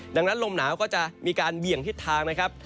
ดังนั้นลมหนาวก็จะมีการเบี่ยงทิศทางนะครับ